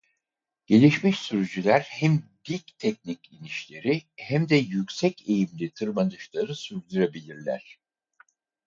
Gelişmiş sürücüler hem dik teknik inişleri hem de yüksek eğimli tırmanışları sürdürebilirler.